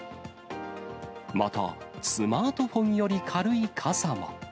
また、スマートフォンより軽い傘も。